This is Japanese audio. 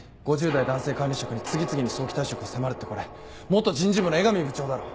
「５０代男性管理職に次々に早期退職を迫る」ってこれ人事部の江上部長だろ。